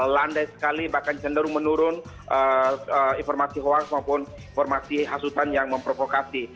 landai sekali bahkan cenderung menurun informasi hoax maupun informasi hasutan yang memprovokasi